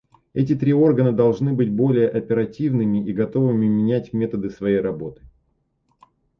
Эти три органа должны быть более оперативными и готовыми менять методы своей работы.